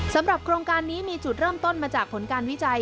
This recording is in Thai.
โครงการนี้มีจุดเริ่มต้นมาจากผลการวิจัย